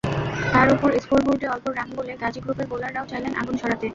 তার ওপর স্কোরবোর্ডে অল্প রান বলে গাজী গ্রুপের বোলাররাও চাইলেন আগুন ঝরাতে।